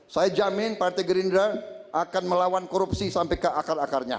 saya jamin partai gerindra akan melawan korupsi sampai ke akar akarnya